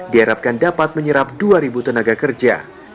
diharapkan dapat menyerap dua tenaga kerja